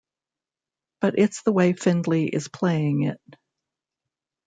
But it's the way Findley is playing it.